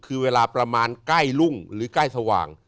คือเวลาประมาณใกล้รุ่งหรือใกล้สว่าง